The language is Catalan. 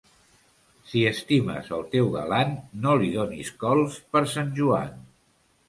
Si estimes el teu galant, no li donis cols per Sant Joan.